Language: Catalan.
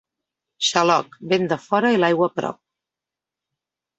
Xaloc, vent de fora i l'aigua prop.